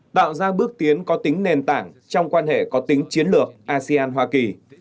tạo ra bước tiến có tính nền tảng trong quan hệ có tính chiến lược asean hoa kỳ